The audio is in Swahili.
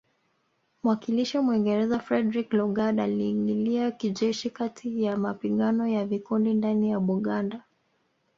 Mwakilishi Mwingereza Frederick Lugard aliingilia kijeshi kati ya mapigano ya vikundi ndani ya Buganda